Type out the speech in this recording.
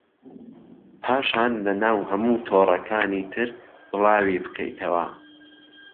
پاشان لەناو هەموو تۆڕەکانی تر بڵاوی بکەیتەوە